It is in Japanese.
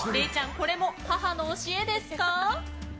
これも母の教えですか？